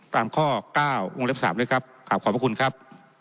ตามข้อเก้าองค์เล็กสามด้วยครับขอบขอบคุณครับ